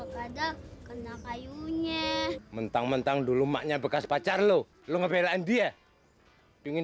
kaya kaya mentang mentang dulu maknya bekas pacar lu lu ngebelain dia ingin